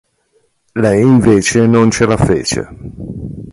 Lei invece non ce la fece.